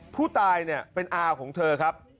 ผู้ตายเนี่ยเป็นอาของเธอครับ